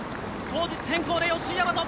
当日変更で吉居大和。